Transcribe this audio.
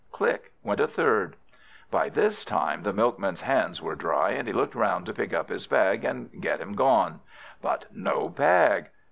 Click! went a third. By this time the Milkman's hands were dry, and he looked round to pick up his bag, and get him gone. But no bag!